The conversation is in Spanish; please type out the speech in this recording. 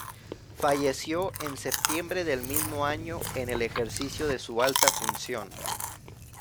Falleció en septiembre del mismo año, en el ejercicio de su alta función.